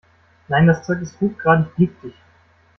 Nein, das Zeug ist hochgradig giftig.